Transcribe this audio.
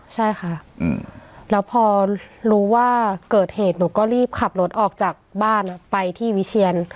ใช่ค่ะแล้วพอรู้ว่าเกิดเหตุหนูก็รีบขับรถออกจากบ้านไปที่วิเชียน